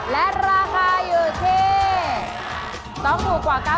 และราคาอยู่ที่ต้องถูกกว่า๙๐